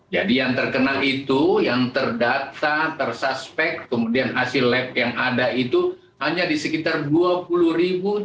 jadi yang terkena itu yang terdata tersaspek kemudian hasil lab yang ada itu hanya di sekitar dua puluh tujuh ratus dua puluh tiga ekor